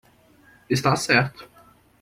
Está certo